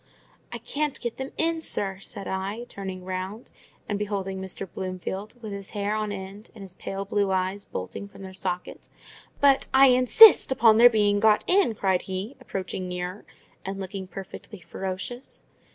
"I can't get them in, sir," said I, turning round, and beholding Mr. Bloomfield, with his hair on end, and his pale blue eyes bolting from their sockets. "But I INSIST upon their being got in!" cried he, approaching nearer, and looking perfectly ferocious.